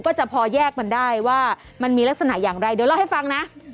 ก็จะพอแยกมันได้ว่ามันมีลักษณะอย่างไรเดี๋ยวเล่าให้ฟังนะ